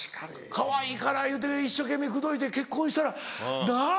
かわいいからいうて一生懸命口説いて結婚したらなぁ。